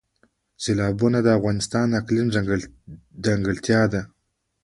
سیلابونه د افغانستان د اقلیم ځانګړتیا ده.